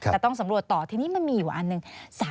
แต่ต้องสำรวจต่อทีนี้มันมีอยู่อันหนึ่ง